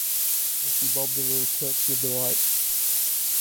And she bobbed a little curtsey of delight.